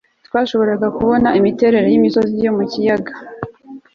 twashoboraga kubona imiterere yimisozi yo mu kiyaga